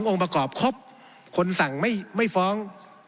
องค์ประกอบครบคนสั่งไม่ฟ้อง